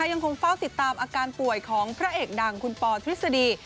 ยังคงเฝ้าติดตามอาการป่วยของพระเอกดังคุณปอทฤษฎี